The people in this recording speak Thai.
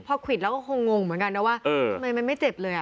พอควิดแล้วก็คงงเหมือนกันนะว่าทำไมมันไม่เจ็บเลย